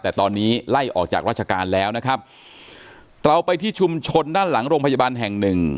แต่ตอนนี้ไล่ออกจากราชการแล้วนะครับเราไปที่ชุมชนด้านหลังโรงพยาบาลแห่งหนึ่ง